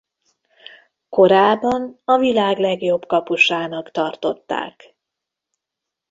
Korában a világ legjobb kapusának tartották.